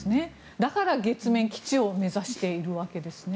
だから月面基地を目指しているわけですね。